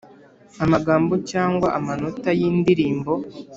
Amagambo cyangwa amanota y indirimbo